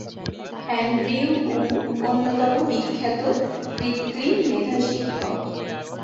Andrew উং অন্যতম বিখ্যাত কৃত্রিম মেধা শিক্ষক।